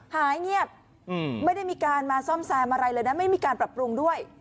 หายเงียบไม่ได้มีการมาซ่อมแซมอะไรเลยนะไม่มีการปรับปรุงด้วย